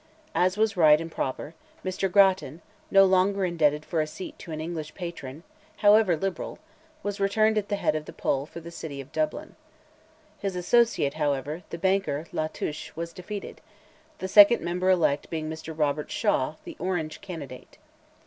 As was right and proper, Mr. Grattan, no longer indebted for a seat to an English patron, however liberal, was returned at the head of the poll for the city of Dublin. His associate, however, the banker, La Touche, was defeated; the second member elect being Mr. Robert Shaw, the Orange candidate.